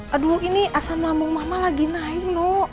aduh ini asam lambung mama lagi naik lho